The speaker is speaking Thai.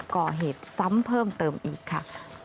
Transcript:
ก่อเหตุซ้ำเพิ่มเติมอีกค่ะ